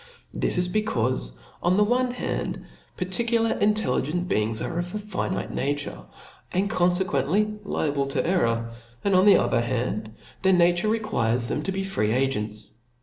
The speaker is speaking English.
This is becaufe, on the one hand, particular intelligent beings are of a finite nature, and confcquently liable. to error 5 and on the other, their nature requires them to be free agents.